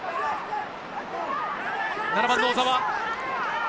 ７番の小澤。